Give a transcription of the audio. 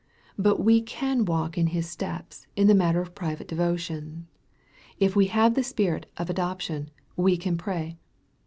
But we can walk in His steps, in the matter of private devotion. If we have the Spirit of adoption, we can pray.